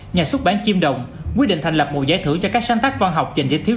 nhà xuất bản kim đồng quyết định thành lập một giải thưởng cho các sáng tác văn học dành cho thiếu